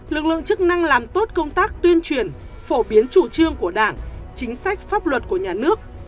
lực lượng chức năng làm tốt công tác tuyên truyền phổ biến chủ trương của đảng chính sách pháp luật của nhà nước